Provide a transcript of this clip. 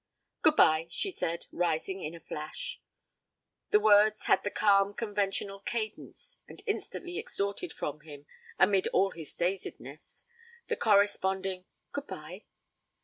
'Goodbye,' she said, rising in a flash. The words had the calm conventional cadence, and instantly extorted from him amid all his dazedness the corresponding 'Goodbye'.